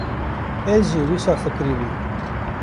- Ez jî wisa fikirîbûm.